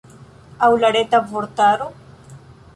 Aŭ la Reta Vortaro?